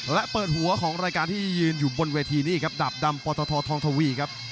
และเปิดหัวของรายการที่ยืนอยู่บนเวทีนี่ครับดาบดำปตททองทวีครับ